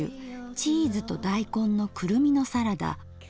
「チーズと大根のクルミのサラダ」。